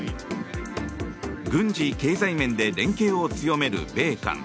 軍事・経済面で連携を強める米韓。